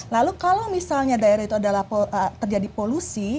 lalu kalau misalnya daerah itu adalah terjadi polusi